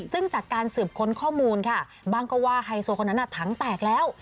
ซึ่งจากการสืบค้นข้อมูลค่ะบ้างก็ว่าไฮโซคนนั้นถังแตกแล้ว